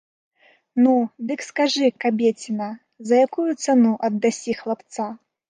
Ну, дык скажы, кабеціна, за якую цану аддасі хлапца?